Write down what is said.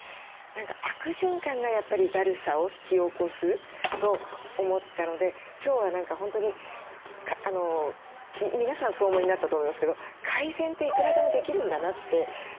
悪循環がやっぱりだるさを引き起こすと思ったので今日は本当に皆さんそうお思いになったと思いますけど改善っていくらでもできるんだなって思いました。